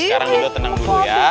sekarang dulu tenang dulu ya